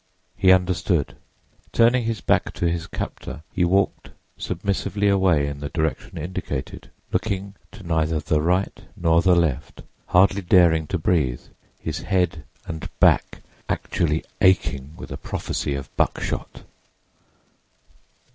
He understood. Turning his back to his captor, he walked submissively away in the direction indicated, looking to neither the right nor the left; hardly daring to breathe, his head and back actually aching with a prophecy of buckshot.